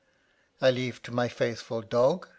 I leave to my faithful dog.